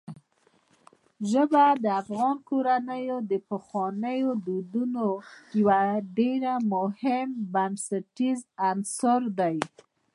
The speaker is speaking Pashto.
ژبې د افغان کورنیو د پخوانیو دودونو یو ډېر مهم او بنسټیز عنصر دی.